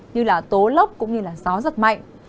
như là tố lốc cũng như gió rất mạnh